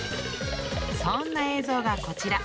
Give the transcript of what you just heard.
そんな映像がこちら。